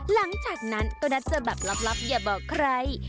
หลังจากนั้นก็นัดเจอแบบลับอย่าบอกใคร